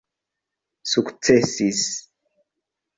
sukcesis